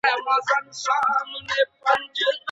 مسلکي پرمختګ لپاره ډېر ښه فرصتونه شتون لري؟